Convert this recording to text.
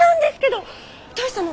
どうしたの？